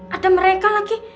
ada mereka lagi